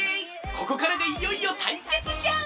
ここからがいよいよたいけつじゃ！